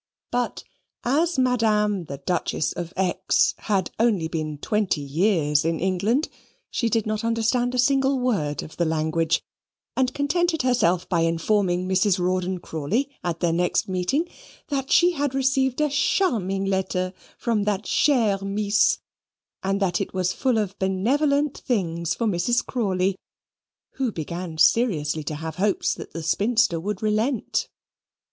But as Madame the Duchess of X had only been twenty years in England, she did not understand a single word of the language, and contented herself by informing Mrs. Rawdon Crawley at their next meeting, that she had received a charming letter from that chere Mees, and that it was full of benevolent things for Mrs. Crawley, who began seriously to have hopes that the spinster would relent.